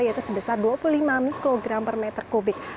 yaitu sebesar dua puluh lima mikrogram per meter kubik